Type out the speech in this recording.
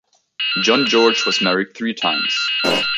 John George was married three times.